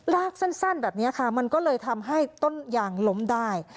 ลากสั้นแบบนี้ค่ะมันก็เลยทำให้ต้นยางล้มได้